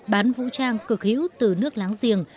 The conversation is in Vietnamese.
bán vũ trang cực hữu từ nước láng giềng